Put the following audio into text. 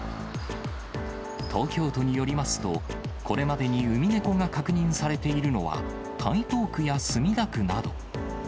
東京都によりますと、これまでにウミネコが確認されているのは、台東区や墨田区など。